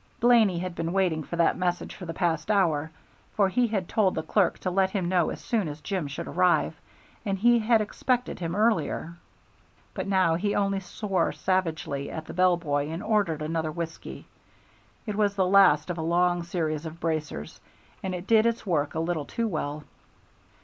Blaney had been waiting for that message for the past hour, for he had told the clerk to let him know as soon as Jim should arrive, and he had expected him earlier; but now he only swore savagely at the bell boy, and ordered another whiskey. It was the last of a long series of bracers, and it did its work a little too well.